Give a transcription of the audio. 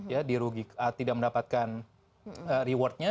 ya dirugikan tidak mendapatkan rewardnya